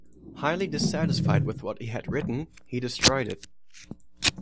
Highly dissatisfied with what he had written, he destroyed it.